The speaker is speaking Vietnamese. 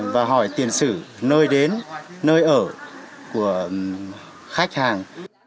và hỏi tiền sử nơi đến nơi ở của khách hàng